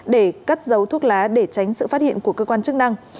để cắt dấu thuốc lá để tránh sự phát hiện của cơ quan chức năng